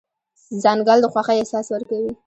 ځنګل د خوښۍ احساس ورکوي.